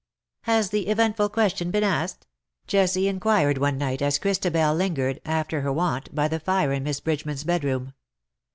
" Has the eventful question been asked ?" Jessie inquired one night, as Christabel lingered, after her wont, by the fire in Miss Bridgeman^s bedroom.